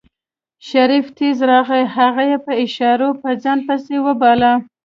شريف تېز راغی هغه يې په اشارو په ځان پسې وباله.